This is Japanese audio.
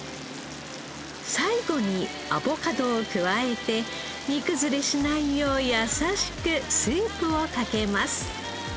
最後にアボカドを加えて煮崩れしないよう優しくスープをかけます。